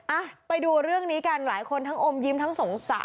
อ่ะไปดูเรื่องนี้กันหลายคนทั้งอมยิ้มทั้งสงสาร